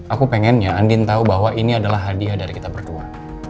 aku pengennya andin tahu bahwa ini adalah hadiah dari kita berdua